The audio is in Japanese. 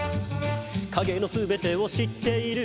「影の全てを知っている」